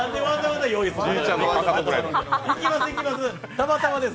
行きます、行きます。